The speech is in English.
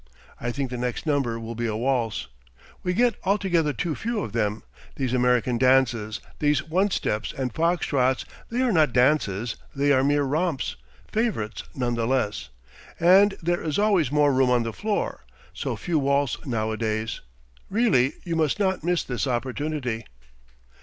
I think the next number will be a waltz. We get altogether too few of them; these American dances, these one steps and foxtrots, they are not dances, they are mere romps, favourites none the less. And there is always more room on the floor; so few waltz nowadays. Really, you must not miss this opportunity."